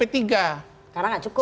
karena nggak cukup